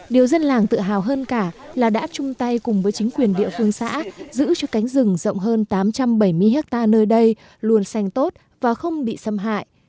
điều dân làng tự hào hơn cả là đã chung tay cùng với chính quyền địa phương xã giữ cho cánh rừng rộng hơn tám trăm bảy mươi hectare nơi đây luôn xanh tốt và không bị xâm hại